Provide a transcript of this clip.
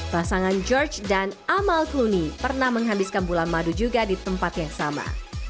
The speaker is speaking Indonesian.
pasangan george dan amal cloney pernah menghabiskan bulan madu juga di tempat yang sama